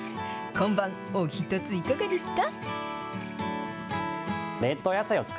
今晩、お一ついかがですか？